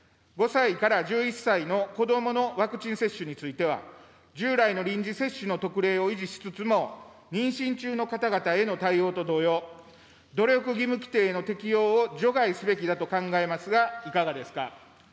５歳から１１歳の子どものワクチン接種については、従来の臨時接種の特例を維持しつつも、妊娠中の方々への対応と同様、努力義務規定の適用を除外すべきだと考えますが、いかがですか。